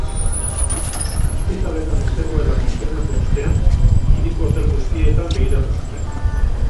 Ospitaletan ez zegoela konfirmatu ostean, hiriko hotel guztietan begiratu zuten.